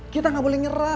kita tidak boleh menyerah